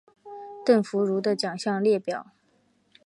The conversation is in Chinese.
邓福如的奖项列表